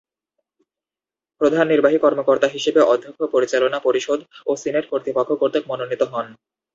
প্রধান নির্বাহী কর্মকর্তা হিসেবে অধ্যক্ষ পরিচালনা পরিষদ ও সিনেট কর্তৃপক্ষ কর্তৃক মনোনীত হন।